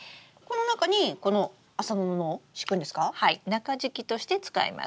中敷きとして使います。